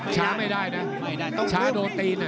ช้าไม่ได้นะช้าโดดตีน